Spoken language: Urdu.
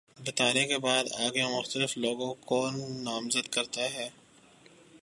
بتانے کے بعد آگے مختلف لوگوں کو نامزد کرتا ہے